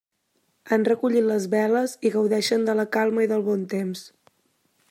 Han recollit les veles i gaudeixen de la calma i del bon temps.